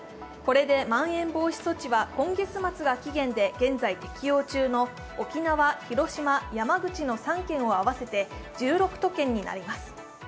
これでまん延防止措置は今月末が期限で現在、適用中の沖縄、広島、山口の３県を合わせて１６都県になります。